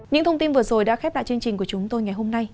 những thông tin vừa rồi đã khép lại chương trình của chúng tôi ngày hôm nay